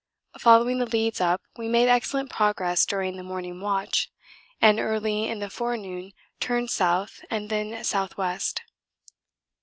Following the leads up we made excellent progress during the morning watch, and early in the forenoon turned south, and then south west.